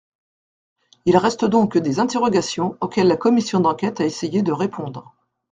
Il reste donc des interrogations, auxquelles la commission d’enquête a essayé de répondre.